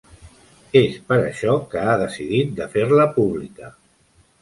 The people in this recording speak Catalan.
És per això que ha decidit de fer-la pública.